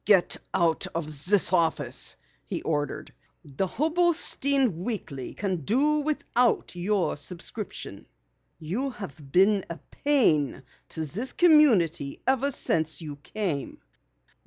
"Get out of this office!" he ordered. "The Hobostein Weekly can do without your subscription. You've been a pain to this community ever since you came.